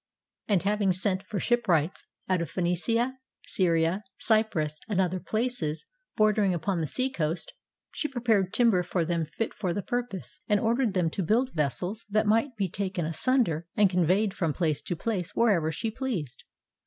And having sent for shipwrights out of Phoenicia, Syria, Cyprus, and other places bordering upon the seacoast, she prepared timber for them fit for the purpose, and ordered them to build vessels that might be taken asunder and conveyed from place to place wherever she pleased.